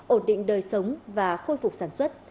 ổn định đời sống và khôi phục sản xuất